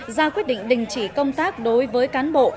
ra quyết định đình chỉ công tác đối với cán bộ